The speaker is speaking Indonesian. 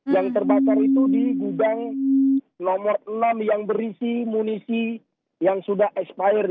yang terbakar itu di gudang nomor enam yang berisi munisi yang sudah expired